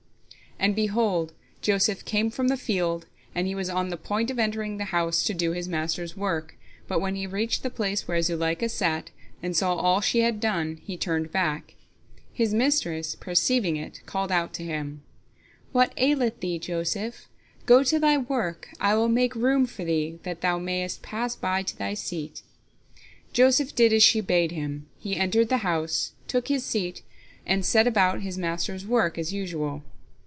And, behold, Joseph came from the field, and he was on the point of entering the house to do his master's work, but when he reached the place where Zuleika sat, and saw all she had done, he turned back. His mistress, perceiving it, called out to him, "What aileth thee, Joseph? Go to thy work, I will make room for thee, that thou mayest pass by to thy seat." Joseph did as she bade him, he entered the house, took his seat, and set about his master's work as usual.